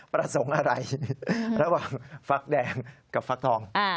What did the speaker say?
ประสงค์อะไรระหว่างฟักแดงกับฟักทอง